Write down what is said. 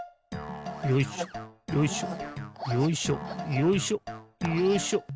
よいしょよいしょよいしょよいしょよいしょ。